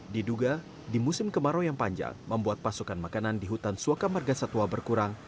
diduga di musim kemarau yang panjang membuat pasukan makanan di hutan suwakamarga satwa berkurang